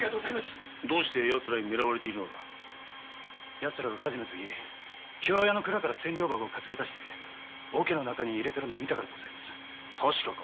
奴らが火事の時京屋の蔵から千両箱担ぎ出してオケの中に入れてるのを見たからです。